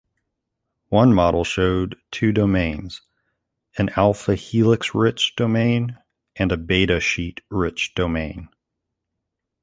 One model showed two domains, an alpha-helix-rich domain and a beta-sheet-rich domain.